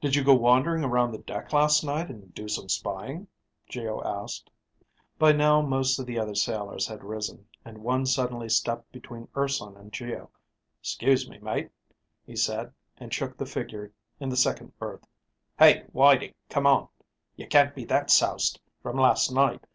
"Did you go wandering around the deck last night and do some spying?" Geo asked. By now most of the other sailors had risen, and one suddenly stepped between Urson and Geo. "'Scuse me, mate," he said and shook the figure in the second berth. "Hey, Whitey, come on. You can't be that soused from last night.